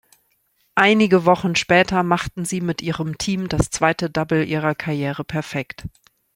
Einige Wochen später machten sie mit ihrem Team das zweite Double ihrer Karriere perfekt.